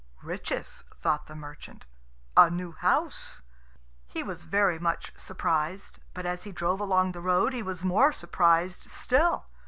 "Riches!" thought the merchant; "a new house!" He was very much surprised, but as he drove along the road he was more surprised still.